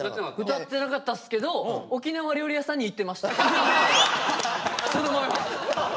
うたってなかったっすけど沖縄料理屋さんに行ってました。